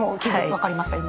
分かりました今。